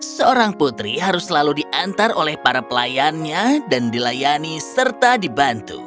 seorang putri harus selalu diantar oleh para pelayannya dan dilayani serta dibantu